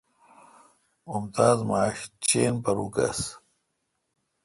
ممتاز ماݭہ چین پر اوکھس۔